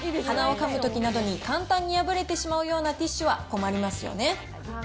はなをかむときなどに簡単に破れてしまうようなティッシュは困りますよね。